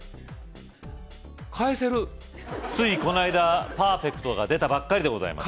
返せるついこないだパーフェクトが出たばっかりでございます